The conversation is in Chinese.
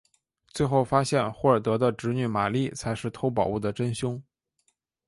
最后发现霍尔德的侄女玛丽才是偷宝物的真凶。